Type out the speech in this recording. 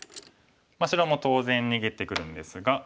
白も当然逃げてくるんですが。